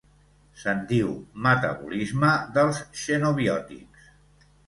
Se'n diu metabolisme dels xenobiòtics.